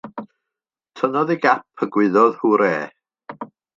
Tynnodd ei gap a gwaeddodd hwrê.